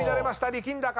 力んだか。